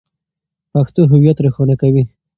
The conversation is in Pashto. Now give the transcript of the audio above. پښتو هویت روښانه کوي.